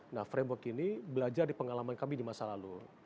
nah framework ini belajar di pengalaman kami di masa lalu